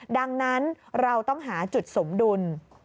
ดังนั้นเราต้องหาจุดสมดุล